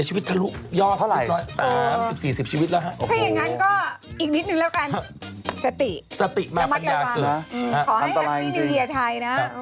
ขอให้ฮัทมีนีเวียไทยนะคำตอบรายจริง